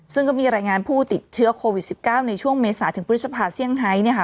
ซึ่งก็มีรายงานผู้ติดเชื้อโควิด๑๙ในช่วงเมษาถึงพฤษภาเซี่ยงไฮ